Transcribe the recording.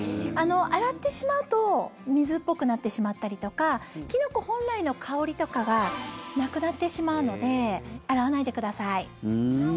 洗ってしまうと水っぽくなってしまったりとかキノコ本来の香りとかがなくなってしまうので洗わないでください。